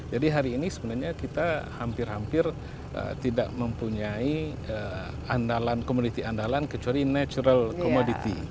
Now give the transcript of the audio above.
jadi hari ini sebenarnya kita hampir hampir tidak mempunyai andalan komoditi andalan kecuali natural commodity